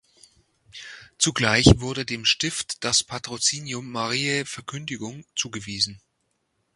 Zugleich wurde dem Stift das Patrozinium Mariä Verkündigung zugewiesen.